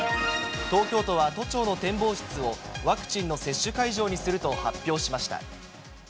東京都は都庁の展望室をワクチンの接種会場にすると発表しました。